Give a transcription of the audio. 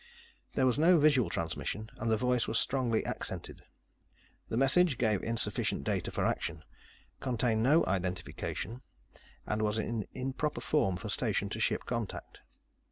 There was no visual transmission, and the voice was strongly accented. The message gave insufficient data for action, contained no identification, and was in improper form for station to ship contact.